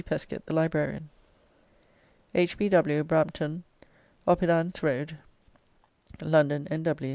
Peskett, the Librarian. H. B. W. BRAMPTON, OPPIDANS ROAD, LONDON, N.W.